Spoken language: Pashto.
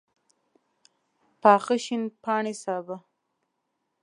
پاخه شین پاڼي سابه